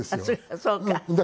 そうか。